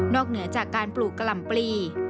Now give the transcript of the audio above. นอกเหนือจากการปลูกกระลำปลี